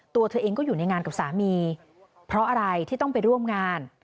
ตัวเธอเองก็อยู่ในงานกับสามีเพราะอะไรที่ต้องไปร่วมงาน